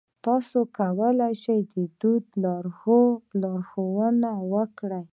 تاسې کولای شئ چې دوی ته لارښوونه وکړئ.